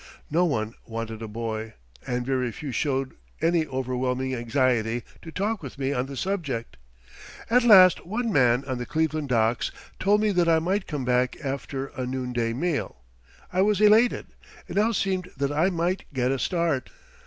No one wanted a boy, and very few showed any overwhelming anxiety to talk with me on the subject. At last one man on the Cleveland docks told me that I might come back after the noonday meal. I was elated; it now seemed that I might get a start.